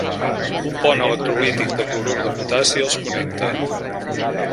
Un pont electrolític de clorur de potassi els connecta.